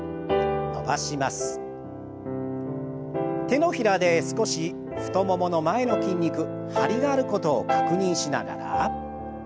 手のひらで少し太ももの前の筋肉張りがあることを確認しながら。